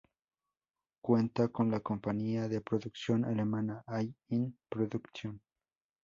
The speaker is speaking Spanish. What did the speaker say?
Cuenta con la compañía de producción alemana "All-in-production".